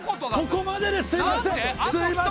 ここまでですいません。